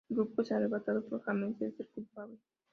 El grupo es arrestado, pero James es el culpable.